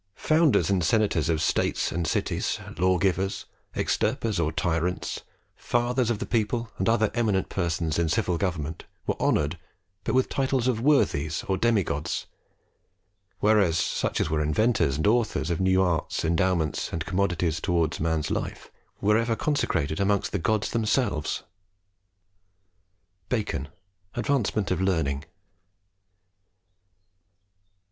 "Founders and senators of states and cities, lawgivers, extirpers of tyrants, fathers of the people, and other eminent persons in civil government, were honoured but with titles of Worthies or demi gods; whereas, such as were inventors and authors of new arts, endowments, and commodities towards man's life, were ever consecrated amongst the gods themselves." BACON, Advancement of Learning.